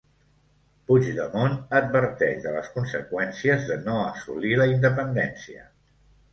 Puigdemont adverteix de les conseqüències de no assolir la independència